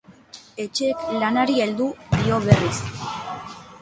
Etxek lanari heldu dio berriz.